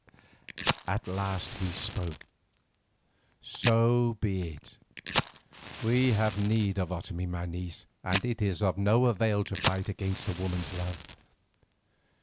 At last he spoke: "So be it. We have need of Otomie, my niece, and it is of no avail to fight against a woman's love.